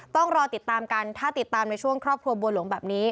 ต้องรอติดตามกันถ้าติดตามในช่วงครอบครัวบัวหลวงแบบนี้